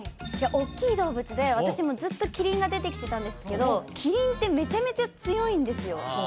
いやおっきい動物で私もずっとキリンが出てきてたんですけどキリンってめちゃめちゃ強いんですよ